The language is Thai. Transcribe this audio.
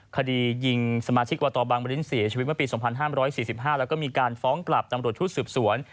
คดียิงสมาชิกวตบังบริษฐศีลชีวิตเมื่อปีสองพันห้ามร้อยสี่สิบห้าแล้วก็มีการฟ้องกลับตำรวจทุกษ์สืบสวน